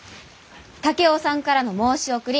竹雄さんからの申し送り